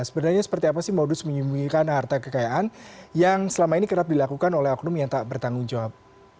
sebenarnya seperti apa sih modus menyembunyikan harta kekayaan yang selama ini kerap dilakukan oleh oknum yang tak bertanggung jawab